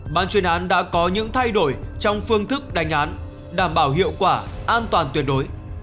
ban chuyên án đã có những thay đổi trong phương thức đánh án đảm bảo hiệu quả an toàn tuyệt đối